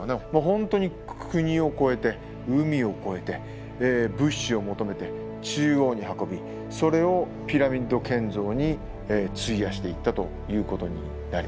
本当に国を越えて海を越えて物資を求めて中央に運びそれをピラミッド建造に費やしていったということになります。